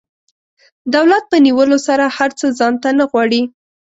دولت په نیولو سره هر څه ځان ته نه غواړي.